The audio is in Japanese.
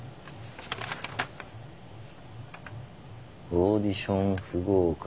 「オーディション不合格」。